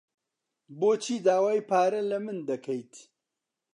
بۆچی داوای پارە لە من دەکەیت؟